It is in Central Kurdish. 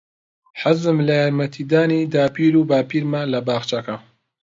حەزم لە یارمەتیدانی داپیر و باپیرمە لە باخچەکە.